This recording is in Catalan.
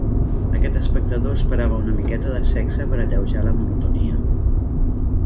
Aquest espectador esperava una miqueta de sexe per alleujar la monotonia.